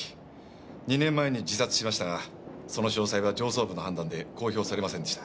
２年前に自殺しましたがその詳細は上層部の判断で公表されませんでした。